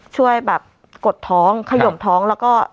ช่วยแบบกดท้องขยมท้องแล้วก็